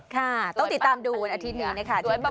ค่ะต้องติดตามดูวันอาทิตย์นี้นะคะ